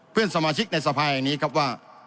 เพื่อนสมาชิกในสภาแห่งนี้ครับว่า